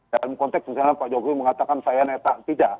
dalam konteks misalnya pak jokowi mengatakan saya neta tidak